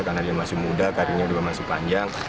karena dia masih muda karirnya juga masih panjang